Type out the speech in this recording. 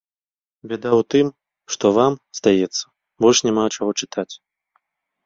Бяда ў тым, што вам, здаецца, больш няма чаго чытаць.